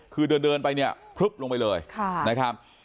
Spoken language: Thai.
คือเดินไปเนี่ยพลึบลงไปเลยนะครับ